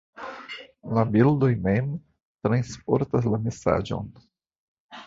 La bildoj mem transportas la mesaĝon.